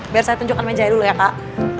biar saya tunjukkan meja dulu ya kak